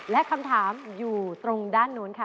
และคำถามอยู่ตรงด้านนู้นค่ะ